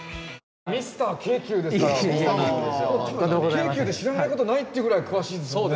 京急で知らないことないっていうぐらい詳しいですもんね。